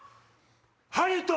ハリウッド！